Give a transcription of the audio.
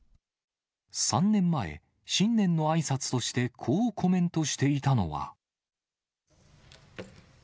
３年前、新年のあいさつとして、こうコメントしていたのは。